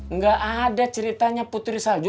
nggak ada ceritanya putri salju